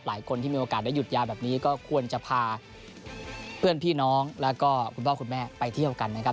หลายคนที่มีโอกาสได้หยุดยาวแบบนี้ก็ควรจะพาเพื่อนพี่น้องแล้วก็คุณพ่อคุณแม่ไปเที่ยวกันนะครับ